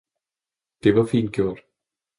Det var fint gjort!